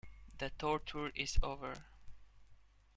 The torture is over.